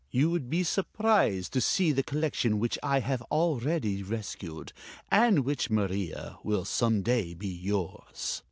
You would be surprised to see the collection which I have already rescued, and which, Maria, will some day be yours.